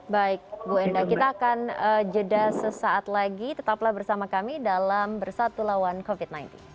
baik bu enda kita akan jeda sesaat lagi tetaplah bersama kami dalam bersatu lawan covid sembilan belas